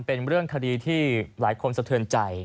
เป็นเรื่องคดีที่หลายคนสะเทือนใจ